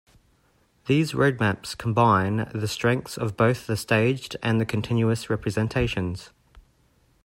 These roadmaps combine the strengths of both the staged and the continuous representations.